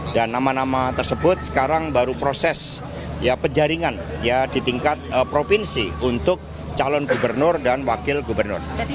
dan nama nama tersebut sekarang baru proses penjaringan di tingkat provinsi untuk calon gubernur dan wakil gubernur